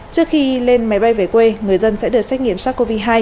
trước khi lên máy bay về quê người dân sẽ được xét nghiệm sars cov hai